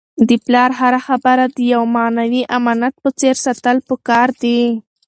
د پلار هره خبره د یو معنوي امانت په څېر ساتل پکار دي.